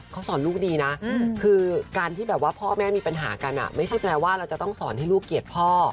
คือการที่แบบว่าพ่อแม่มีปัญหากันไม่ใช้แปลว่าเราจะต้องสอนให้ลูกเกียจพ่อ